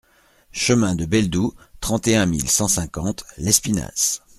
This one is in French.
CHEMIN DE BELDOU, trente et un mille cent cinquante Lespinasse